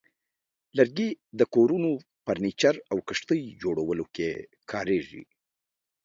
لرګي د کورونو، فرنیچر، او کښتۍ جوړولو کې کارېږي.